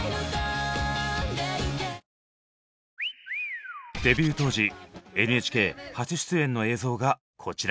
そしてデビュー当時ＮＨＫ初出演の映像がこちら。